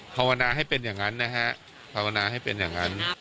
ภาวนาให้เป็นอย่างนั้นนะฮะภาวนาให้เป็นอย่างนั้น